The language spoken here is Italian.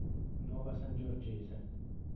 Nuova Sangiorgese.